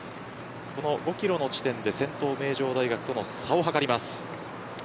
５キロの地点で先頭名城との差を測ります。